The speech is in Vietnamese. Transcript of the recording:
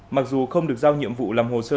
mặc dù không được giao nhiệm vụ làm hồ sơ